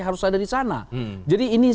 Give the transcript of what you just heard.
harus ada di sana jadi ini